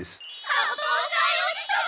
八方斎おじさま！